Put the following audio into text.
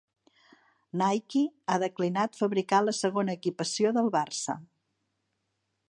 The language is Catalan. Nike ha declinat fabricar la segona equipació del Barça.